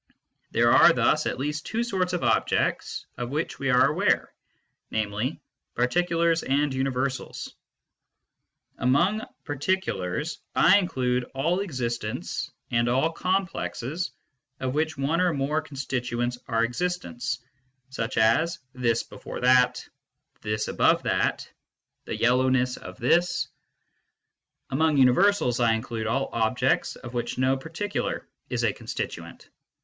v There are thus at least, two sorts of objects of which we are aware, namely, particulars and universals. Among particulars I include alljsxistents, and all complexes of which one_orjmore constituents are existents, such as this^before that, this above that, the yellowness of this. 114 MYSTICISM AND LOGIC Among universals I jnchide all objects of which no par IP ticular is a constituent.